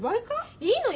いいのよ。